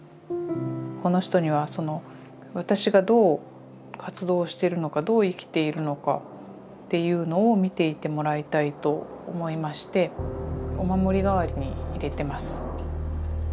この人には私がどう活動してるのかどう生きているのかっていうのを見ていてもらいたいと思いましてお守り代わりに入れてます。